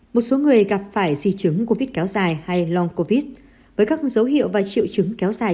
một số người gặp phải di chứng covid kéo dài hay logo covid với các dấu hiệu và triệu chứng kéo dài